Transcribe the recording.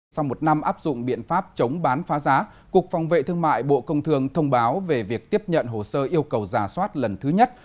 sau một năm áp dụng biện pháp chống bán phá giá cục phòng vệ thương mại bộ công thường thông báo về việc tiếp nhận hồ sơ yêu cầu giả soát lần thứ nhất